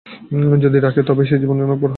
যদি রাখে, তবেই সে জীবনে অনেক বড় হবে।